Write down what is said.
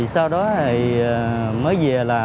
sau đó mới về là